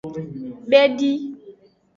Bedi.